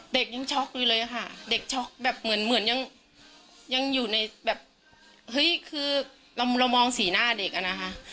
เด็กยังช็อกอยู่เลยค่ะเด็กช็อกแบบเหมือนยังอยู่ในแบบเฮ้ยคือเรามองสีหน้าเด็กอะนะคะ